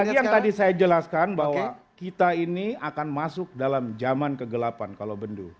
apalagi yang tadi saya jelaskan bahwa kita ini akan masuk dalam zaman kegelapan kalau bendu